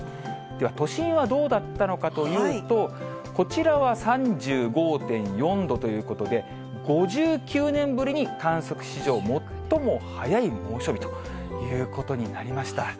では、都心はどうだったのかというと、こちらは３５．４度ということで、５９年ぶりに観測史上最も早い猛暑日ということになりました。